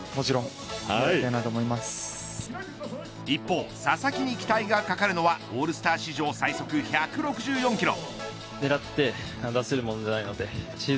一方、佐々木に期待がかかるのはオールスター史上最速１６４キロ。